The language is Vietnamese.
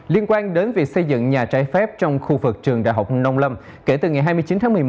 liên quan đến việc xây dựng nhà trái phép trong khu vực trường đại học nông lâm kể từ ngày hai mươi chín tháng một mươi một